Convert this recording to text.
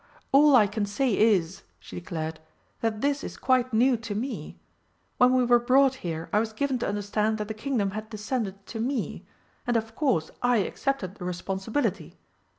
"All I can say is," she declared, "that this is quite new to me. When we were brought here I was given to understand that the Kingdom had descended to me, and of course I accepted the responsibility.